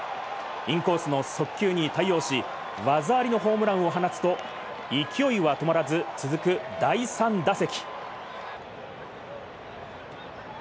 インコースの速球に対応し、技ありのホームランを放つと、いきおいは止まらず、続く第３打席。